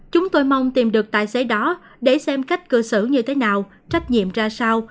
chúng tôi mong tìm được tài xế đó để xem cách cư xử như thế nào trách nhiệm ra sao